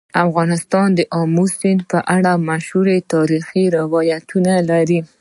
افغانستان د آمو سیند په اړه مشهور تاریخی روایتونه لري.